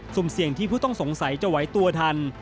สุ่มเสี่ยงที่ผู้ต้องสงสัยจะไหวตัวทัน